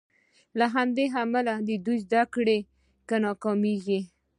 له همدې امله دوی په زدکړو کې ناکامیږي.